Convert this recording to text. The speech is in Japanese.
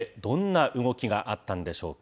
水面下でどんな動きがあったんでしょうか。